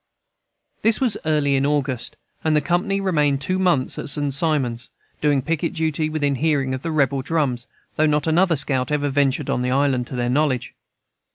This was early in August; and the company remained two months at St Simon's, doing picket duty within hearing of the rebel drums, though not another scout ever ventured on the island, to their knowledge.